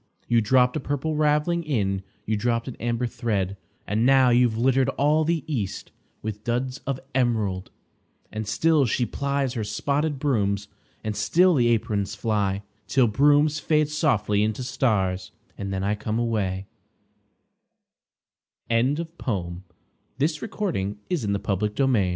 You dropped a Purple Ravelling in You dropped an Amber thread And now you've littered all the east With Duds of Emerald! And still she plies her spotted Brooms, And still the Aprons fly, Till Brooms fade softly into stars And then I come away Emily Dickinson (1861) There's a certain Slant of light